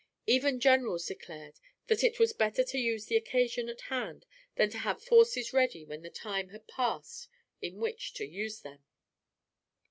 Even generals declared that it was better to use the occasion at hand than to have forces ready when the time had passed in which to use them.